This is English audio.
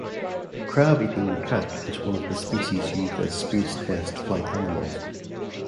The crab-eating macaque is one of the species used as space test flight animals.